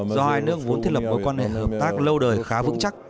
do hai nước vốn thiết lập mối quan hệ hợp tác lâu đời khá vững chắc